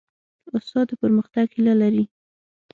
استاد د پرمختګ هیله لري.